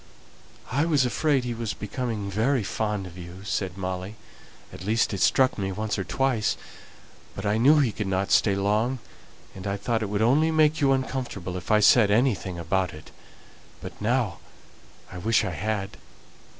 "I was afraid he was becoming very fond of you," said Molly; "at least it struck me once or twice; but I knew he could not stay long, and I thought it would only make you uncomfortable if I said anything about it. But now I wish I had!"